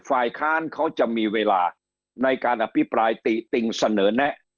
ฝ่ายค้านเขาจะมีเวลาในการอภิปรายติติงเสนอแนะ